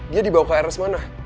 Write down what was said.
dia dibawa ke rs mana